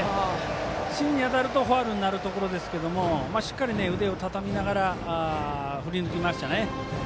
芯に当たるとファウルになるところですけどしっかり腕をたたみながら振り抜きましたね。